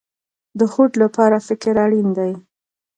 د هوډ لپاره فکر اړین دی